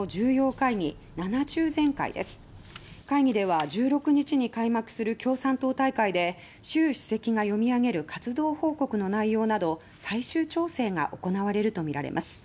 会議では１６日に開幕する共産党大会で習主席が読み上げる活動報告の内容など最終調整が行われるとみられます。